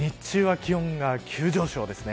日中は気温が急上昇です。